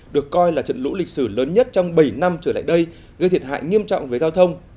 được coi là trận lũ lịch sử lớn nhất trong bảy năm trở lại đây gây thiệt hại nghiêm trọng với giao thông